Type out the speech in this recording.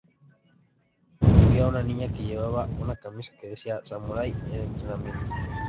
Y vi a una niña que llevaba una camisa que decía "Samurái en Entrenamiento".